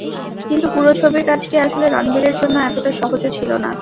কিন্তু পুরো ছবির কাজটি আসলে রণবীরের জন্য এতটা সহজও ছিল না।